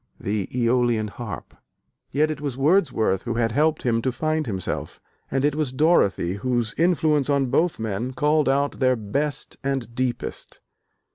(The Eolian Harp) yet it was Wordsworth who had helped him to "find himself," and it was Dorothy whose influence on both men called out their best and deepest.